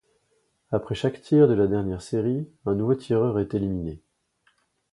Après chaque tir de la dernière série, un nouveau tireur est éliminé.